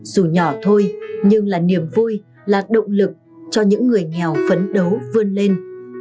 dù nhỏ thôi nhưng là niềm vui là động lực cho những người nghèo phấn đấu vươn lên